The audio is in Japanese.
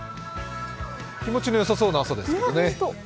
気持ちのよさそうな朝ですけどね。